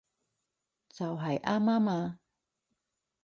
就喺啱啱啊